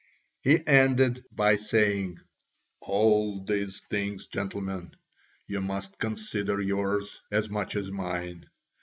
He ended by saying: "All these things, gentlemen, you must consider yours as much as mine.